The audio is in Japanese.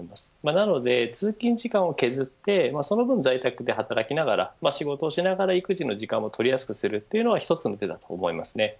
なので、通勤時間を削ってその分、在宅で働きながら仕事をしながら育児の時間も取りやすくするというのは１つの手だと思います。